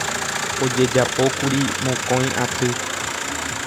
Ojejapókuri mokõi aty.